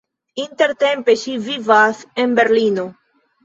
Intertempe ŝi vivas en Berlino.